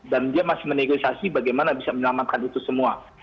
dan dia masih menegosiasi bagaimana bisa menyelamatkan itu semua